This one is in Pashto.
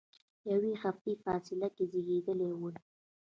یوې هفتې په فاصله کې زیږیدلي ول.